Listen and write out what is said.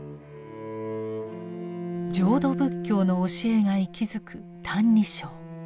浄土仏教の教えが息づく「歎異抄」。